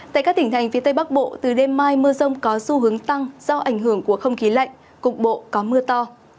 tại các tỉnh thành phía tây bắc bộ từ đêm mai mưa rông có xu hướng tăng do ảnh hưởng của không khí lạnh cục bộ có mưa to